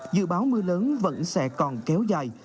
dự báo mưa lớn vẫn sẽ còn kéo dài